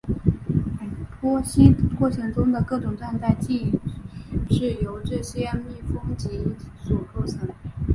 剖析过程中的各种状态即是由这些封闭集所构成。